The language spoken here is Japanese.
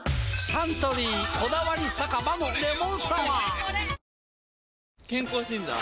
サントリー「こだわり酒場のレモンサワー」健康診断？